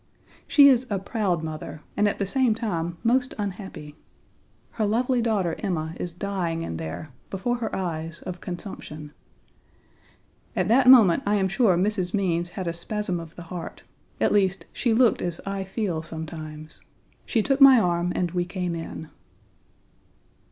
She is a proud mother, and at the same time most unhappy. Her lovely daughter Emma is dying in there, before her eyes, of consumption. At that moment I am sure Mrs. Means had a spasm of the heart; at least, Page 38 she looked as I feel sometimes. She took my arm and we came in.